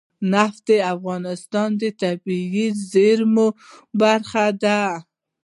نفت د افغانستان د طبیعي زیرمو برخه ده.